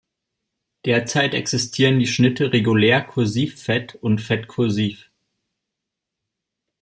Derzeit existieren die Schnitte „regulär“, „kursiv“, „fett“ und „fett-kursiv“.